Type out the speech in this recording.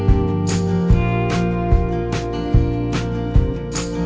ไม่ไม่รู้ทันหรือเปล่า